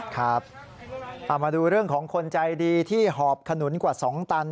ครับเอามาดูเรื่องของคนใจดีที่หอบขนุนกว่า๒ตัน